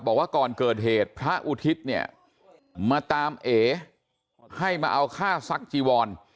บอกว่าก่อนเกิดเหตุพระอุทิศเนี่ยมาตามเอให้มาเอาค่าซักจีวร